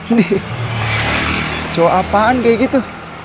nih cowok apaan kayak gitu